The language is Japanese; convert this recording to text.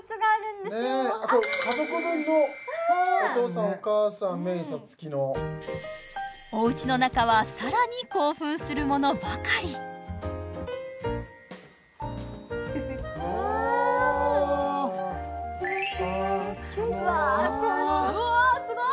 これ家族分のお父さんお母さんメイサツキのおうちの中はさらに興奮するものばかりわあわあこのうわあすごっ！